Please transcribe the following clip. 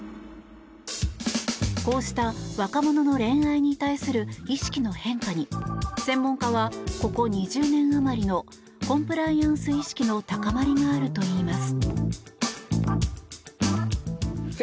こうした若者の恋愛に対する意識の変化に専門家は、ここ２０年余りのコンプライアンス意識の高まりがあるといいます。